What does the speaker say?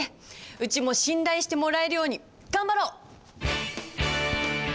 うちも信頼してもらえるように頑張ろう！